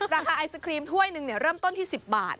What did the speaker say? ไอศครีมถ้วยหนึ่งเริ่มต้นที่๑๐บาท